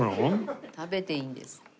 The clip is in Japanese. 食べていいんです。